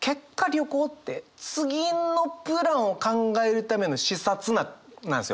旅行って次のプランを考えるための視察なんですよ。